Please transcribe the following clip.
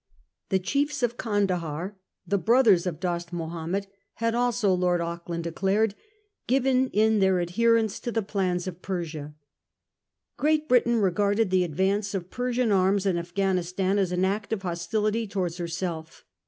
The chiefs of Candahar, the brothers of Dost Mahomed, had also, Lord Auckland declared, given in their adherence to the plans of Persia. Great Britain regarded the advance of Per sian arms in Afghanistan as an act of hostility towards herself.